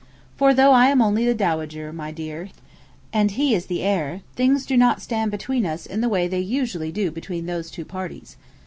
For, though I am only the dowager, my dear, and he is the heir, things do not stand between us in the way they usually do between those two parties.